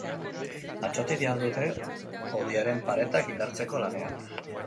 Atzotik dihardute hodiaren paretak indartzeko lanean.